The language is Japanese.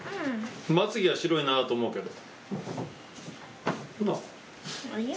まつげは白いなと思うけど。